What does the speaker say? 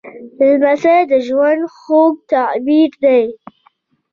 لمسی د ژوند خوږ تعبیر دی.